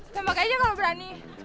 tembak aja kalau berani